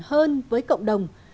hơn với cộng đồng